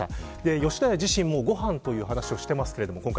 吉田屋自身もご飯という話をしています。